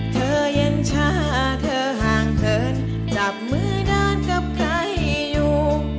เธอยังชาเธอห่างเถินจับมือเดินกับใครอยู่